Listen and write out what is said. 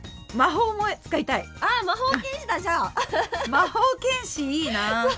魔法剣士いいな。